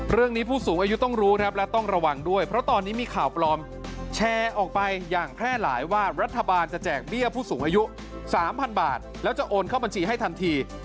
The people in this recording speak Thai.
ผู้สูงอายุต้องรู้ครับและต้องระวังด้วยเพราะตอนนี้มีข่าวปลอมแชร์ออกไปอย่างแพร่หลายว่ารัฐบาลจะแจกเบี้ยผู้สูงอายุ๓๐๐๐บาทแล้วจะโอนเข้าบัญชีให้ทันที